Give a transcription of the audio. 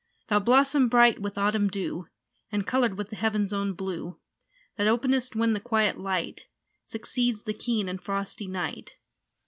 Thou blossom bright with autumn dew, And coloured with the heaven's own blue, That openest when the quiet light Succeeds the keen and frosty night.